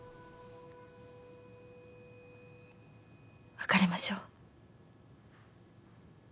別れましょう。